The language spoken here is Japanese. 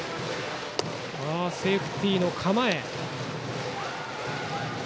セーフティーの構え。